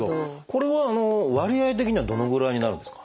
これは割合的にはどのぐらいになるんですか？